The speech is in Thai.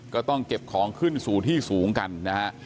ก็ต้องเก็บของขึ้นสู่ที่สูงกันนะฮะ